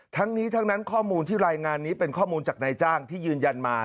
ทั้งนี้ทั้งนั้นข้อมูลที่รายงานนี้เป็นข้อมูลจากนายจ้างที่ยืนยันมา